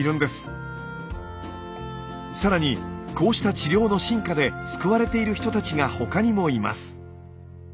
さらにこうした治療の進化で救われている人たちが他にもいます。